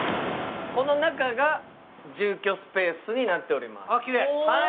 この中が住居スペースになっております。